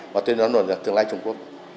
và tôi nói nguồn là thương lái trung quốc